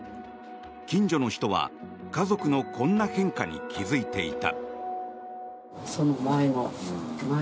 近所の人は、家族のこんな変化に気付いていた。